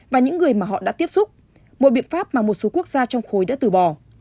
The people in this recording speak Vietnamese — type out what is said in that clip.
và những người mà họ đã tiếp xúc một biện pháp mà một số quốc gia trong khối đã từ bỏ